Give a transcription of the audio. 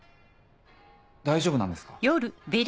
大丈夫なんですか？